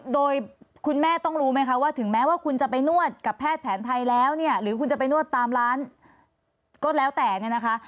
โดยคุณแม่ต้องรู้ไหมคะว่าถึงแม้ว่าคุณจะไปนวดกับแพทย์แผนไทยแล้วเนี่ยหรือคุณจะไปนวดตามร้านก็แล้วแต่เนี่ยนะคะ